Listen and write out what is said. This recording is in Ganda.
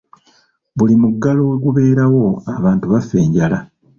Buli muggalo we gubeerawo abantu bafa enjala.